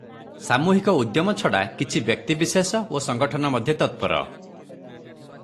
ସାମୁହିକ ଉଦ୍ୟମ ଛଡ଼ା କିଛି ବ୍ୟକ୍ତିବିଶେଷ ଓ ସଙ୍ଗଠନ ମଧ୍ୟ ତତ୍ପର ।